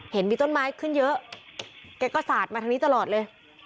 เห็นมีต้นไม้ขึ้นเยอะแกก็สาดมาทางนี้ตลอดเลย